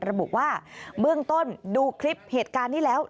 ระบุว่าเบื้องต้นดูคลิปเหตุการณ์นี้แล้ว